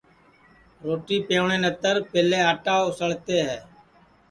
روٹی پَوٹؔے نتے پہلے آٹا اُسݪتے ہے